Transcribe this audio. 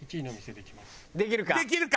できるか。